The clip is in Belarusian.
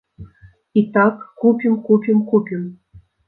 І так купім, купім, купім.